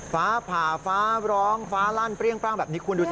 ฟ้าผ่าฟ้าร้องฟ้าลั่นเปรี้ยงปร่างแบบนี้คุณดูสิ